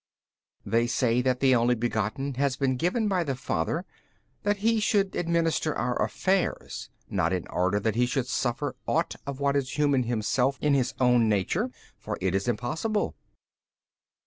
B. They say that the Only Begotten has been given by the Father, that He should administer our affairs, not in order that He should suffer ought of what is human Himself in His own Nature, for it is impossible.